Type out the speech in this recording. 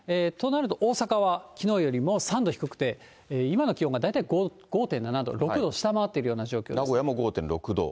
となると、大阪はきのうよりも３度低くて、今の気温が大体５．７度、６度下回っているような状況です。